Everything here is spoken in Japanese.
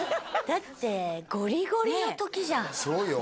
だってゴリゴリの時じゃんそうよ